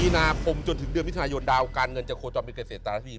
๔นาคมจนถึงเดือนวิทยานยนต์ดาวการเงินจะโคจรเป็นเกษตรราชีพีธรรม